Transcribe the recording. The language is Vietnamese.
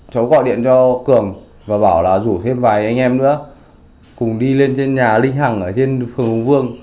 cháu gọi điện cho cường và bảo là rủ thêm vài anh em nữa cùng đi lên trên nhà linh hằng ở trên phường hùng vương